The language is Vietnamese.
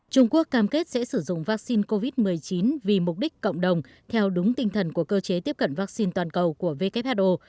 trung quốc cam kết sẽ sử dụng vaccine covid một mươi chín vì mục đích cộng đồng theo đúng tinh thần của cơ chế tiếp cận vaccine toàn cầu của who